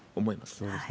そうですね。